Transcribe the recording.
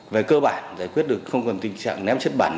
về cơ bản giải quyết được không còn tình trạng ném chất bẩn